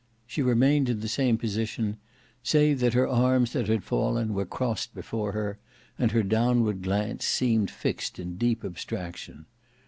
She remained in the same position, save that her arms that had fallen were crossed before her, and her downward glance seemed fixed in deep abstraction.